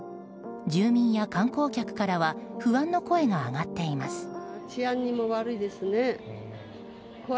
住民や観光客からは不安の声が上がっています。